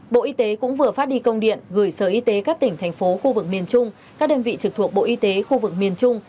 bộ y tế cũng vừa phát đi công điện gửi sở y tế các tỉnh thành phố khu vực miền trung các đơn vị trực thuộc bộ y tế khu vực miền trung